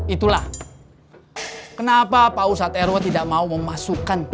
itulah kenapa pausat eroi tidak mau memasukkan